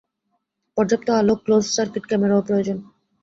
পর্যাপ্ত আলো, closed circuit ক্যামেরাও প্রয়োজন।